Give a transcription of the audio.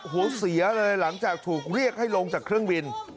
เสียเลยหลังจากถูกเรียกให้ลงจากเครื่องบิน